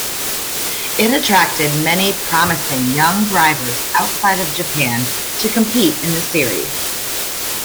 It attracted many promising young drivers outside of Japan to compete in the series.